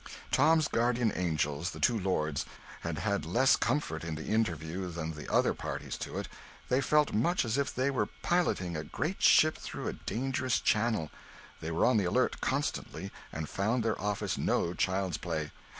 Tom's guardian angels, the two lords, had had less comfort in the interview than the other parties to it. They felt much as if they were piloting a great ship through a dangerous channel; they were on the alert constantly, and found their office no child's play.